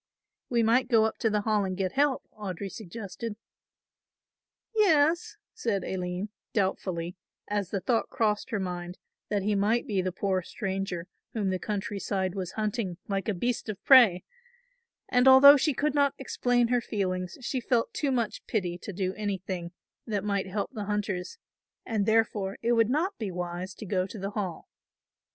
"We might go up to the Hall and get help," Audry suggested. "Yes," said Aline, doubtfully, as the thought crossed her mind that he might be the poor stranger whom the country side was hunting like a beast of prey and although she could not explain her feelings she felt too much pity to do anything that might help the hunters and therefore it would not be wise to go to the Hall.